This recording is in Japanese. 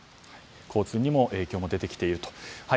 交通に影響も出てきていると。